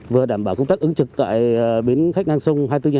vừa đảm bảo công tác ứng trực tại bến khách ngang sông hai mươi bốn hai mươi bốn